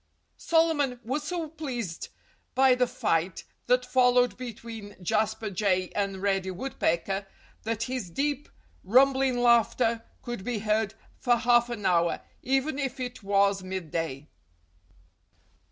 Solomon was so pleased by the fight that followed between Jasper Jay and Reddy Woodpecker that his deep, rumbling laughter could be heard for half an hour—even if it was midday.